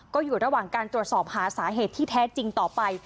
ก็อยู่ระหว่างการตรวจสอบหาสาเหตุที่แท้จริงต่อไป